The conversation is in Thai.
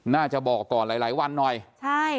น่าจะบอกก่อนหลายหลายวันหน่อยใช่